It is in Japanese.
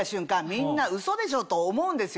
みんなうそでしょ！と思うんですよ。